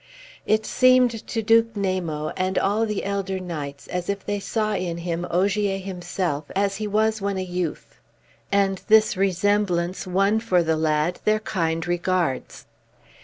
It seemed to Duke Namo, and all the elder knights, as if they saw in him Ogier himself, as he was when a youth; and this resemblance won for the lad their kind regards.